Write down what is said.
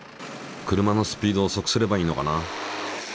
車のスピードをおそくすればいいのかな？